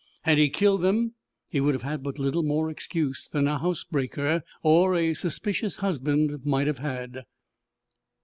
Had he killed them he would have had but little more excuse than a house breaker or a suspicious husband might have had.